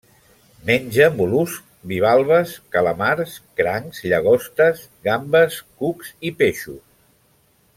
Menja mol·luscs bivalves, calamars, crancs, llagostes, gambes, cucs i peixos.